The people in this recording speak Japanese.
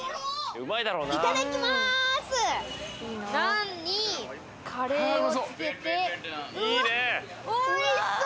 うわおいしそう！